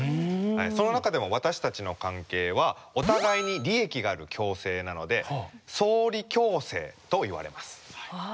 その中でも私たちの関係はお互いに利益がある共生なので「相利共生」といわれます。